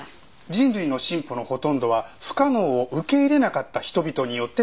人類の進歩のほとんどは不可能を受け入れなかった人々によって達成された。